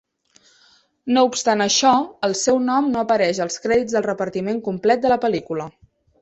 No obstant això, el seu nom no apareix als crèdits del repartiment complet de la pel·lícula.